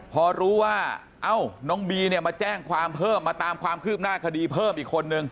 พอรู้ว่าเอ้าน้องบีเนี่ยมาแจ้งความเพิ่มมาตามความคืบหน้าคดีเพิ่มอีกคนนึง